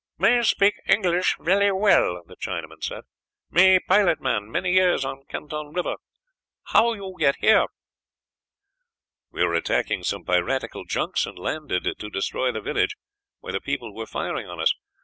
"Me speeke English velly well," the Chinaman said; "me pilot man many years on Canton River. How you get here?" "We were attacking some piratical junks, and landed to destroy the village where the people were firing on us.